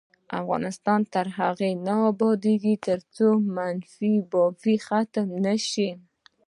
افغانستان تر هغو نه ابادیږي، ترڅو منفي بافي ختمه نشي.